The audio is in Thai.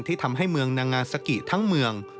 ทำให้เมืองนางาซากิทั้งเมือง